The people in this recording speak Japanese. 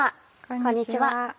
こんにちは。